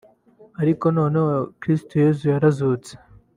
Ariko noneho Kristo Yesu yarazutse